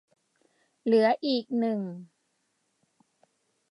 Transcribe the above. เหลืออีกหนึ่ง